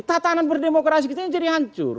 tatanan berdemokrasi kita ini jadi hancur